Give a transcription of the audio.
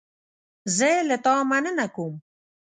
زه له تا مننه کوم.